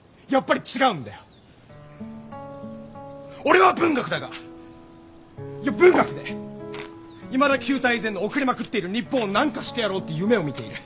俺は文学だがいや文学でいまだ旧態依然の遅れまくっている日本を何かしてやろうって夢をみている。